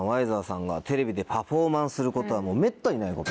ＹＺＥＲＲさんがテレビでパフォーマンスすることはめったにないこと。